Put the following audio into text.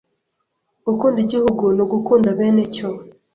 Gukunda Igihugu ni ugukunda benecyo